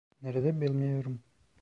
Nerede bilmiyorum.